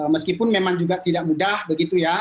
meskipun memang juga tidak mudah begitu ya